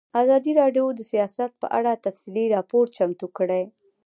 ازادي راډیو د سیاست په اړه تفصیلي راپور چمتو کړی.